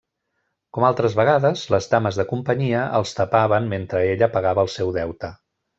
Com altres vegades, les dames de companyia els tapaven mentre ella pagava el seu deute.